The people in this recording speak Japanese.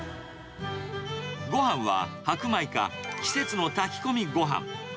ごはんは白米か季節の炊き込みごはん。